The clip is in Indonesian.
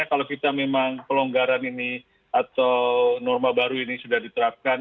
kalau kita memang pelonggaran ini atau norma baru ini sudah diterapkan